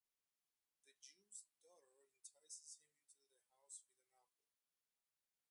The Jew's daughter entices him into the house with an apple.